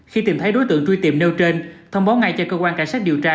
khi tìm thấy đối tượng truy tìm nêu trên thông báo ngay cho cơ quan cảnh sát điều tra